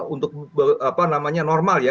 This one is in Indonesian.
untuk apa namanya normal ya